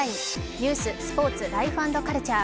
ニュース、スポーツ、ライフ＆カルチャー